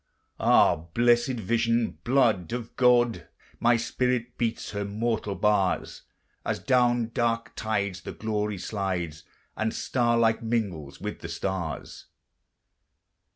Ah, blessèd vision! blood of God! My spirit beats her mortal bars, As down dark tides the glory slides, And star like mingles with the stars.